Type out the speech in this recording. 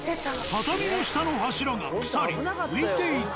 畳の下の柱が腐り浮いていた。